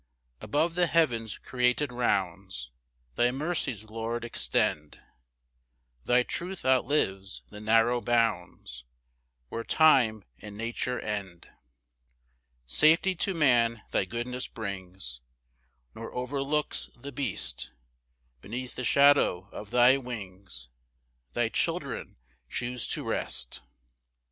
5 Above the heavens' created rounds, Thy mercies, Lord, extend; Thy truth outlives the narrow bounds, Where time and nature end. 6 Safety to man thy goodness brings, Nor overlooks the beast; Beneath the shadow of thy wings Thy children choose to rest.